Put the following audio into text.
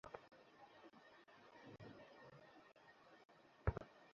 নয়নাভিরাম সিল্কের পোশাক দেখে কিনতে ইচ্ছে হলেও পকেটের দিকে তাকিয়ে বেরিয়ে এলাম।